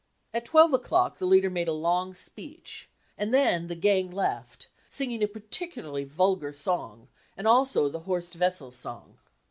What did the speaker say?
At 12 o'clock the leader made a long speech, and then the gang left, singing a particularly vulgar song and also the Horst Wessel song.